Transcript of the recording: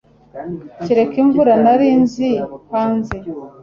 Kureka imvura nari nzi hanze